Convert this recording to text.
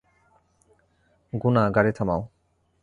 গুনা, গাড়ি থামাও।